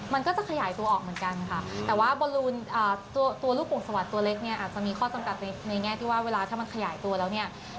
มันก็จะขยายตัวออกเหมือนกันค่ะแต่ว่าบอลลูนตัวลูกโป่งสวัสดิ์ตัวเล็กเนี่ยอาจจะมีข้อจำกัดในแง่ที่ว่าเวลาถ้ามันขยายตัวแล้วเนี่ย